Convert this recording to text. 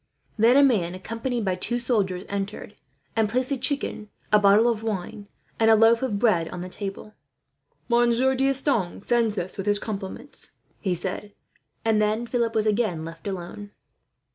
Then a man accompanied by two soldiers entered, and placed a chicken, a bottle of wine, and a loaf of bread on the table. "Monsieur D'Estanges sends this, with his compliments," he said; and then Philip was again left alone.